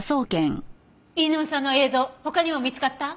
飯沼さんの映像他にも見つかった？